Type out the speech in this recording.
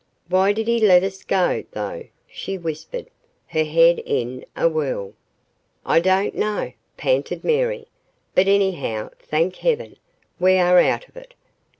"Why did he let us go, though?" she whispered, her head in a whirl. "I don't know," panted Mary, "but anyhow, thank heaven, we are out of it.